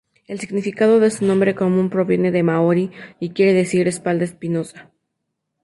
El significado de su nombre común proviene del maorí y quiere decir "espalda espinosa".